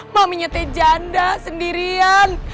maminya tak janda sendirian